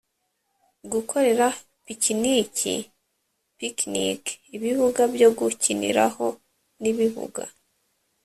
gukorera pikiniki picnic ibibuga byo gukiniraho n ibibuga